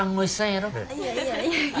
いやいやいやいや。